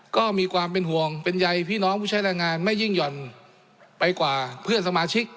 ก็มีความเป็นห่วงเป็นใยพี่น้องผู้ใช้แรงงานไม่ยิ่งหย่อนไปกว่าเพื่อนสมาชิก